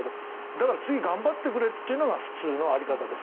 だから次頑張ってくれというのが普通の在り方です